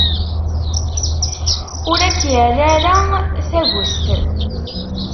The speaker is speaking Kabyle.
Ur ak-irra ara tagest.